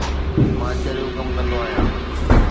مان چريو ڪم ڪندو آهيان